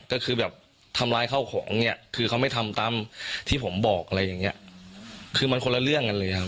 ก็คือแบบทำร้ายข้าวของเนี่ยคือเขาไม่ทำตามที่ผมบอกอะไรอย่างเงี้ยคือมันคนละเรื่องกันเลยครับ